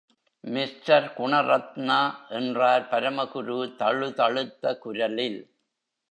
Mister Gunaratna, என்றார் பரமகுரு தழுதழுத்த குரலில்.